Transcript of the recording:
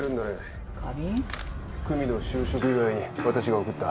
久実の就職祝いに私が贈った。